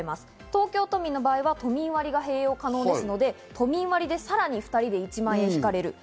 東京都民の場合は都民割が併用可能で、さらに２人で１万円引かれる。